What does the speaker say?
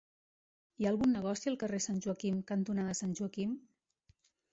Hi ha algun negoci al carrer Sant Joaquim cantonada Sant Joaquim?